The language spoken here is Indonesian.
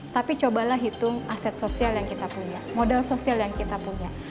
tapi cobalah hitung aset sosial yang kita punya modal sosial yang kita punya